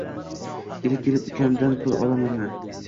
Kelib-kelib ukamdan pul olamanmi